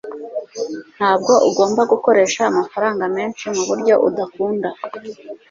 ntabwo ugomba gukoresha amafaranga menshi mubyo ukunda